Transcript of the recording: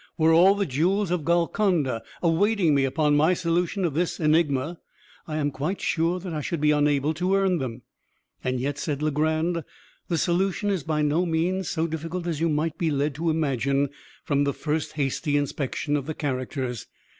Were all the jewels of Golconda awaiting me upon my solution of this enigma, I am quite sure that I should be unable to earn them." "And yet," said Legrand, "the solution is by no means so difficult as you might be led to imagine from the first hasty inspection of the characters.